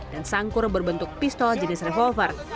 dan sangkur berbentuk pistol jenis revolver